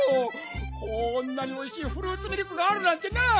こんなにおいしいフルーツミルクがあるなんてな。